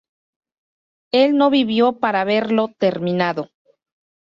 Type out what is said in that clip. Él no vivió para verlo terminado.